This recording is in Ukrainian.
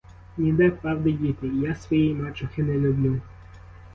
Ніде правди діти: і я своєї мачухи не люблю.